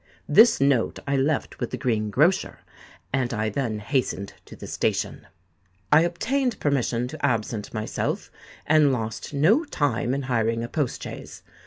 This note I left with the green grocer; and I then hastened to the station. I obtained permission to absent myself, and lost no time in hiring a post chaise.